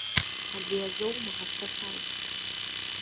Абри азоума ҳазҭахаз?!